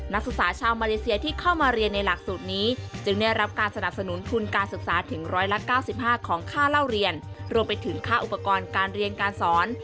นักศึกษาชาวมาเลเซียที่เข้ามาเรียนในหลักสูตรนี้จึงได้รับการสนับสนุนทุนการศึกษาถึง๑๙๕ของค่าเล่าเรียนรวมไปถึงค่าอุปกรณ์การเรียนการสอน